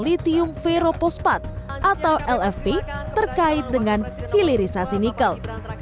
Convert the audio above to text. lithium ferro pospat atau lfp terkait dengan hilirisasi nikel